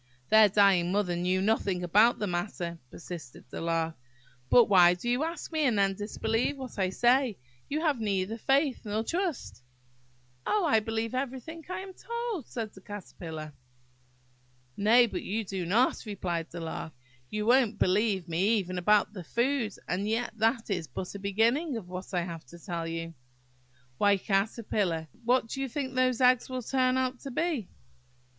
"Their dying mother knew nothing about the matter," persisted the Lark; "but why do you ask me, and then disbelieve what I say? You have neither faith nor trust." "Oh, I believe everything I am told," said the Caterpillar. "Nay, but you do not," replied the Lark; "you won't believe me even about the food, and yet that is but a beginning of what I have to tell you. Why, Caterpillar, what do you think those little eggs will turn out to be?"